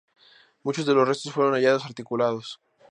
Muchos de los restos fueron hallados articulados.